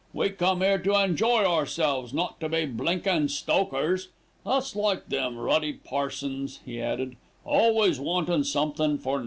"We come 'ere to enjoy ourselves, not to be blinkin' stokers. That's like them ruddy parsons," he added, "always wantin' somethin' for nuffin."